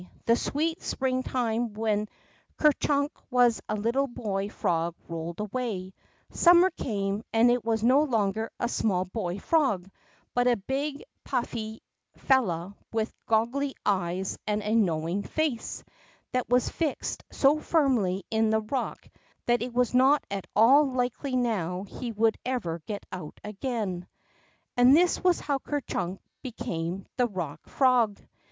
The sweet spring time when Ker Chunk was a little hoy frog rolled away, summer came, and it was no longer a small boy frog, but a big, puify fellow with goggly eyes and a knowing face, that was fixed so firmly in the rock that it was not at all likely now he would ever get out again. And this was how Ker Chunk became the Rock Frog.